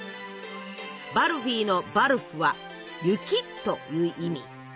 「バルフィ」の「バルフ」は「雪」という意味。